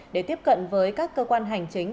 để tiếp cận với các cơ quan hành chính